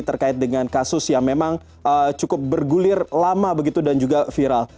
terkait dengan kasus yang memang cukup bergulir lama begitu dan juga viral